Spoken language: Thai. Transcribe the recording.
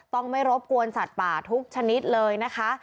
ต้องไม่รบกวนสัตว์ป่าทุกชนิดเลยนะคะ